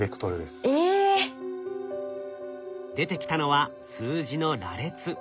出てきたのは数字の羅列。